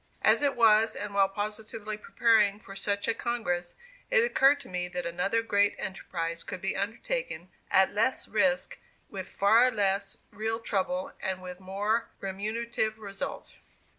As it was, and while positively preparing for such a congress, it occurred to me that another great enterprise could be undertaken at less risk, with far less real trouble, and with more remunerative results.